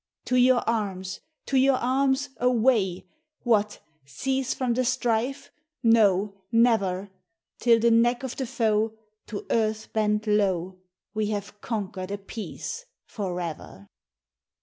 To your arms! To your arms! Away! What! cease from the strife? No, never! Till the neck of the foe, To earth bent low, We have conquered a peace FOR EVER!